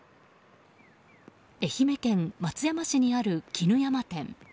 愛媛県松山市にある衣山店。